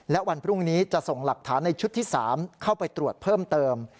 และวันพรุ่งนี้จะส่งหลักฐานในชุดที่๓เข้าไปตรวจเพิ่มเติม